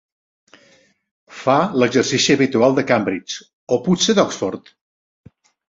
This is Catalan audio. Fa l'exercici habitual de Cambridge, o potser d'Oxford?